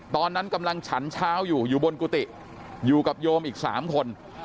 ตอนนั้นกำลังฉันเช้าอยู่อยู่บนกุฏิอยู่กับโยมอีก๓คน